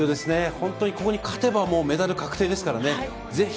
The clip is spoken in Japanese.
本当にここに勝てば、もうメダル確定ですからね。